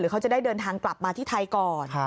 เขาจะได้เดินทางกลับมาที่ไทยก่อน